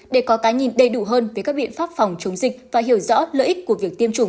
để có cái nhìn đầy đủ hơn về các biện pháp phòng chống dịch và hiểu rõ lợi ích của việc tiêm chủng